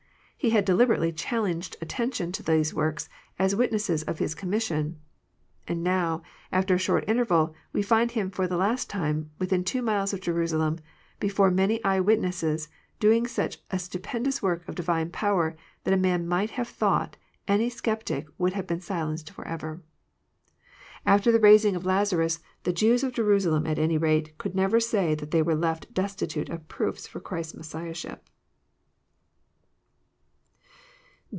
He had deliberately challenged attention to those works as witnesses to His commission. And now, after a short interval, we find Him for the last time, within two miles of Jerusalem before many eye witnesses, doing such a stupendous work of Divine power that a man might have thought any sceptic would have been silenced forever. After the raising of Lazarus, the Jews of Jerusalem at any rate could never say that they were left destitute of proofs of Christ's Messiahship.